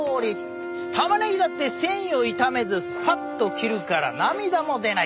玉ねぎだって繊維を傷めずスパッと切るから涙も出ない。